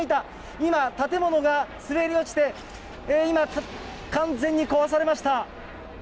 今、建物が滑り落ちて、今、完全に壊されました。